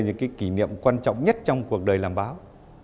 những cái kỷ niệm quan trọng nhất trong cuộc đời làm báo